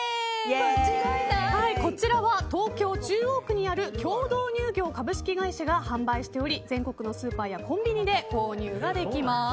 こちらは東京・中央区にある協同乳業株式会社が販売しており全国のスーパーやコンビニで購入ができます。